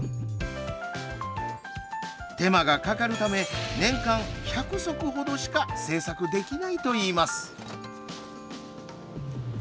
手間がかかるため年間１００足ほどしか製作できないと言います。